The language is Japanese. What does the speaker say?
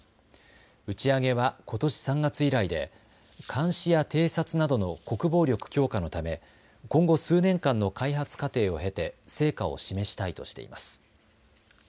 打ち上げはことし３月以来で監視や偵察などの国防力強化のため今後数年間の開発過程を経て成果を示したいとしています。